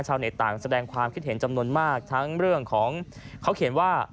ต่างแสดงความคิดเห็นจำนวนมากทั้งเรื่องของเขาเขียนว่า